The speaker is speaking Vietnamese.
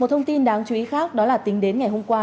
một thông tin đáng chú ý khác đó là tính đến ngày hôm qua